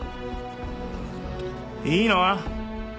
いいの？